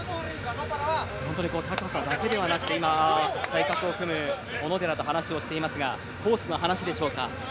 本当に高さだけではなくて対角を組む小野寺と話していますがコースの話でしょうか。